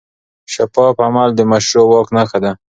شفاف عمل د مشروع واک نښه ده.